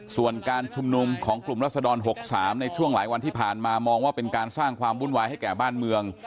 ส่วนการชุมนุมของกลุ่มรัศดร๖๓ในช่วงหลายวันที่ผ่านมามองว่าเป็นการสร้างความวุ่นวายให้แก่บ้านเมือง